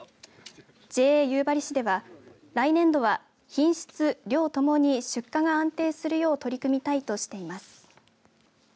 ＪＡ夕張市では来年度は品質・量ともに出荷が安定するよう取り組みたいとしています。